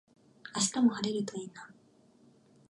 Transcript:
明日も晴れるといいな。